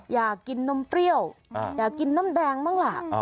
อยากกินนมเปรี้ยวอยากกินน้ำแดงบ้างล่ะ